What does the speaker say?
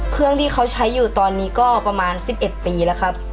เครื่องที่เขาใช้อยู่ตอนนี้ก็ประมาณ๑๑ปีแล้วครับ